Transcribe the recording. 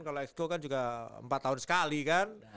kalau exco kan juga empat tahun sekali kan